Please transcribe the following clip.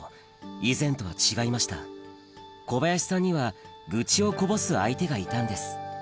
以前とは違いました小林さんには愚痴をこぼす相手がいたんです